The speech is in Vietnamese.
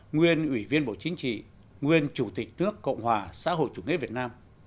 nguyên ủy viên bộ chính trị nguyên chủ tịch nước cộng hòa xã hội chủ nghĩa việt nam